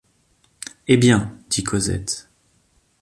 Eh bien ? dit Cosette.